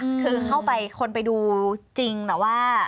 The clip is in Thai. คือเข้าไปคนไปดูจริงแต่ว่า